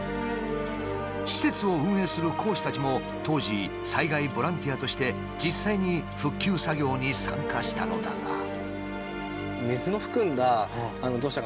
施設を運営する講師たちも当時災害ボランティアとして実際に復旧作業に参加したのだが。